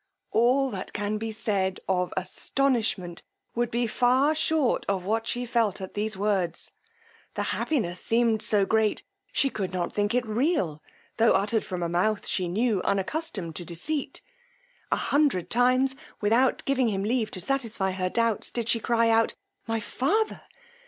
All that can be said of astonishment would be far short of what she felt at these words: the happiness seemed so great she could not think it real, tho' uttered from mouth she knew unaccustomed to deceit: a hundred times, without giving him leave to satisfy her doubts, did she cry out, My father!